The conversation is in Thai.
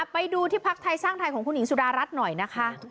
ไปดูที่พักไทยสร้างไทยของคุณหญิงสุดารัฐหน่อยนะคะ